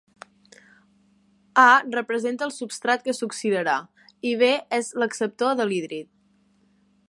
A representa el substrat que s'oxidarà, y B és l'acceptor de l'hídrid.